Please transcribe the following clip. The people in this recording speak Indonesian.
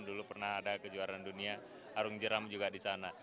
dulu pernah ada kejuaraan dunia arung jeram juga di sana